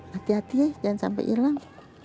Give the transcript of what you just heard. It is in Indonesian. hati hati jangan sampai hilang